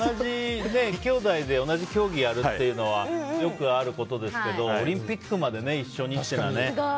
きょうだいで同じ競技やるというのはよくあることですけどオリンピックまで一緒にっていうのはね。